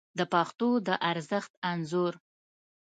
د پښتو د ارزښت انځور